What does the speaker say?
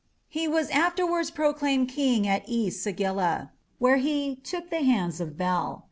He was afterwards proclaimed king at E sagila, where he "took the hands of Bel".